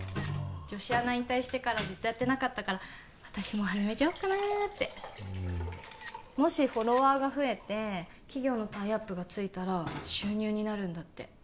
女子アナ引退してからずっとやってなかったから私も始めちゃおっかなってもしフォロワーが増えて企業のタイアップがついたら収入になるんだって